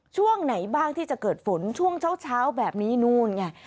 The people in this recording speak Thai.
ช่วงไหนบ้างที่จะเกิดฝนช่วงเช้าแบบนี้นู่นไง